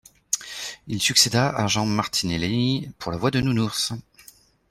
Il succéda à Jean Martinelli, pour la voix de Nounours.